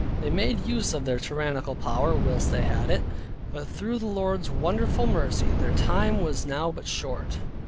They made use of their tyrannical power whilst they had it; but through the Lord's wonderful mercy, their time was now but short.